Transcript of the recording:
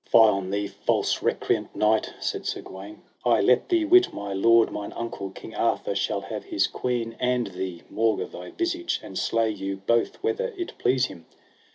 Fie on thee, false recreant knight, said Sir Gawaine; I let thee wit my lord, mine uncle, King Arthur, shall have his queen and thee, maugre thy visage, and slay you both whether it please him.